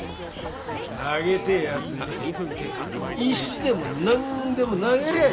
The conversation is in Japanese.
投げてえやつは石でも何でも投げりゃあいいだ。